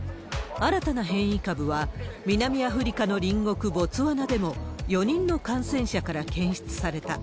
新たな変異株は南アフリカの隣国ボツワナでも、４人の感染者から検出された。